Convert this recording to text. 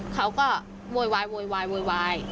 เขาก็โวยวาย